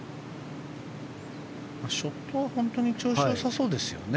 ショットは本当に調子が良さそうですよね。